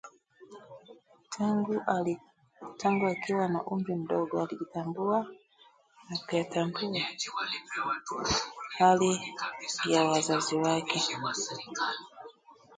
Tangu akiwa na umri mdogo alijitambua na kutambua hali ya wazazi wake